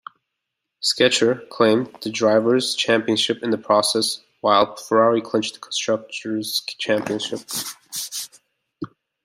Scheckter claimed the Drivers' Championship in the process, while Ferrari clinched the Constructors' Championship.